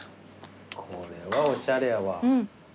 これはおしゃれやわ。